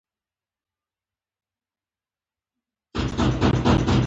په منډه به پاسپورټونه په لاس دروازه ننوتل.